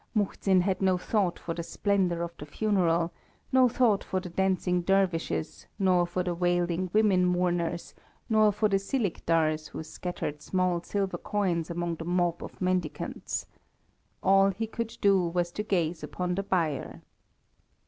Muhzin had no thought for the splendour of the funeral, no thought for the dancing dervishes, nor for the wailing women mourners, nor for the siligdars who scattered small silver coins among the mob of mendicants. All he could do was to gaze upon the bier.